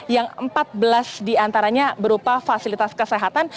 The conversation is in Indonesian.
yang empat belas diantaranya berupa fasilitas kesehatan